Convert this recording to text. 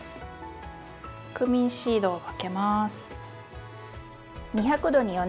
クミンシードをかけます。